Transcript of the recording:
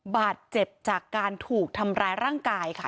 บาดเจ็บจากการถูกทำร้ายร่างกายค่ะ